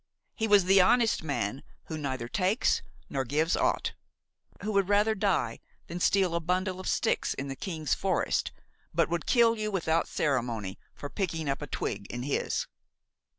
He was the honest man who neither takes nor gives aught; who would rather die than steal a bundle of sticks in the king's forest, but would kill you without ceremony for picking up a twig in his.